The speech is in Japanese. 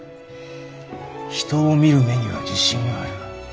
人を見る目には自信がある。